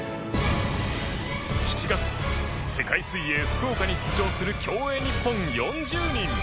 ７月世界水泳福岡に出場する競泳日本４０人